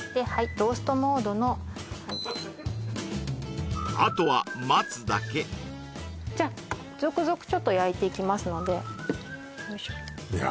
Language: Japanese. トーストモードのはいあとは待つだけじゃあ続々ちょっと焼いていきますのでいや